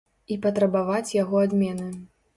І патрабаваць яго адмены.